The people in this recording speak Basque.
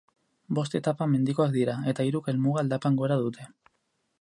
Bost etapa mendikoak dira, eta hiruk helmuga aldapan gora dute.